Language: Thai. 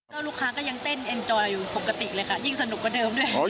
แล้วลูกค้าก็ยังเต้นเอ็นจอยปกติเลยครับ